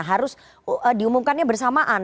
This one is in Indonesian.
harus diumumkannya bersamaan